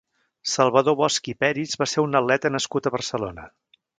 Salvador Bosch i Peris va ser un atleta nascut a Barcelona.